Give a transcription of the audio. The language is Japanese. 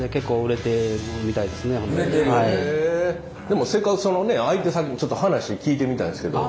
でもせっかくそのね相手先にちょっと話聞いてみたいんですけど。